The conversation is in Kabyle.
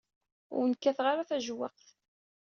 Ur wen-kkateɣ ara tajewwaqt.